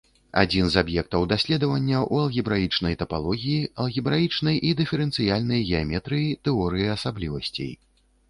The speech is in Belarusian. Адзін з аб'ектаў даследавання ў алгебраічнай тапалогіі, алгебраічнай і дыферэнцыяльнай геаметрыі, тэорыі асаблівасцей.